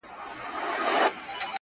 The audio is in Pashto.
سرونه پرې کړي مالونه یوسي -